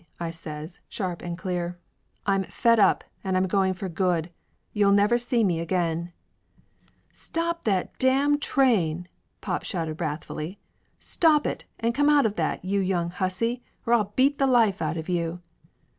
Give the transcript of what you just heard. I says, sharp and clear. "I'm fed up, and I'm going for good ! You'll never see me again !" "Stop that damn train!" pop shouted wrathfully. "Stop it and come out of that, you young hussy, or I'll beat the life out of you!"